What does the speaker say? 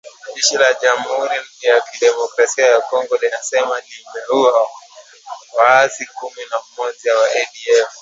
Jeshi la Jamuhuri ya Kidemokrasia ya Congo linasema limeua waasi kumi na mmoja wa ADF